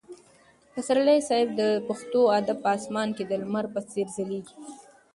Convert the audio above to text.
پسرلي صاحب د پښتو ادب په اسمان کې د لمر په څېر ځلېږي.